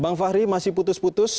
bang fahri masih putus putus